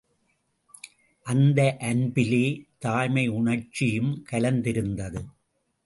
அந்த அன்பிலே, தாய்மையுணர்ச்சியும் கலந்திருந்தது.